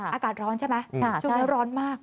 อากาศร้อนใช่ไหมช่วงนี้ร้อนมาก